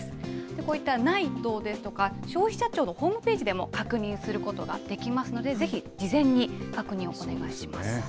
こういったＮＩＴＥですとか、消費者庁のホームページでも確認することができますので、ぜひ、事前に確認をお願いします。